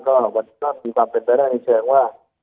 ก็มีความเป็นไปใดในเชิงว่า